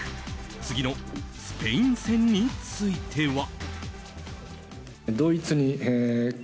次のスペイン戦については。